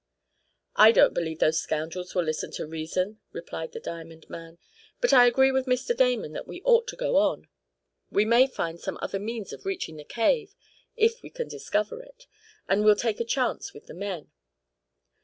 "I don't believe those scoundrels will listen to reason," replied the diamond man, "but I agree with Mr. Damon that we ought to go on. We may find some other means of reaching the cave if we can discover it, and we'll take a chance with the men."